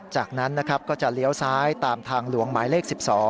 จากนั้นนะครับก็จะเลี้ยวซ้ายตามทางหลวงหมายเลข๑๒